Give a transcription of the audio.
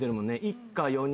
「一家４人」